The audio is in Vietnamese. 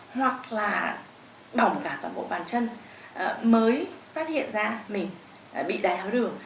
hoặc là bỏng cả toàn bộ bàn chân mới phát hiện ra mình bị đài tháo đường